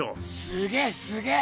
すげえすげえ！